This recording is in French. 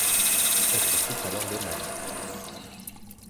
On consulte alors les mannes.